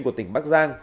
của tỉnh bắc giang